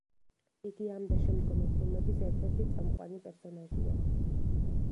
იგი ამ და შემდგომი ფილმების ერთ-ერთი წამყვანი პერსონაჟია.